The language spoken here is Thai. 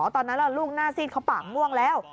ตอนนั้นลูกหน้าซีดเขาปากม่วงแล้ว